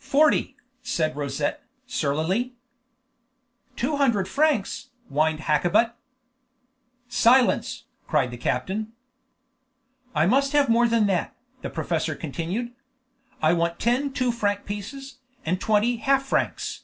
"Forty," said Rosette, surlily. "Two hundred francs!" whined Hakkabut. "Silence!" cried the captain. "I must have more than that," the professor continued. "I want ten two franc pieces, and twenty half francs."